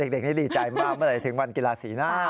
เด็กนี้ดีใจมากเมื่อไหร่ถึงวันกีฬาสีหน้า